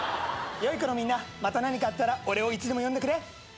よい子のみんなまた何かあったら俺をいつでも呼んでくれ。